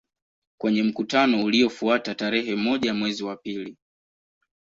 Kwenye mkutano uliofuata tarehe moja mwezi wa pili